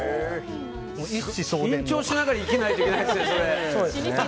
緊張しながら生きないといけないですね。